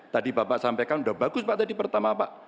tadi bapak sampaikan sudah bagus pak tadi pertama pak